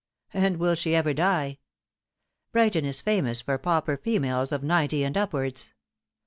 And will she ever die ? Brighton is famous for pauper females of ninety and upwards.